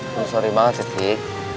maaf banget sih tika